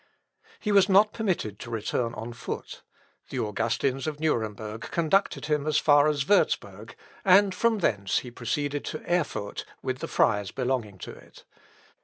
He was not permitted to return on foot. The Augustins of Nuremberg conducted him as far as Wurzburg, and from thence he proceeded to Erfurt with the friars belonging to it.